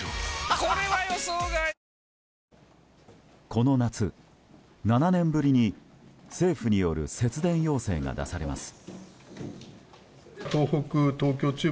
この夏、７年ぶりに政府による節電要請が出されます。